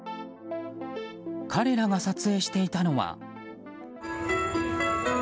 彼らが撮影していたのは。